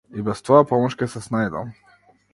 И без твоја помош ќе се снајдам.